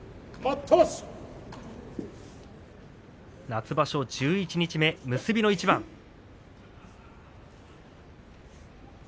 夏場所十一日目結びの一番です。